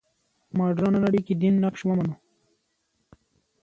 مډرنه نړۍ کې دین نقش ومنو.